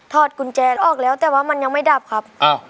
อดกุญแจออกแล้วแต่ว่ามันยังไม่ดับครับ